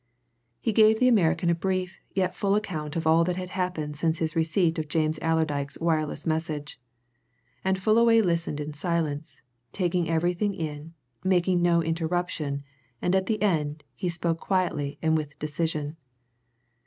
He gave the American a brief yet full account of all that had happened since his receipt of James Allerdyke's wireless message. And Fullaway listened in silence, taking everything in, making no interruption, and at the end he spoke quietly and with decision.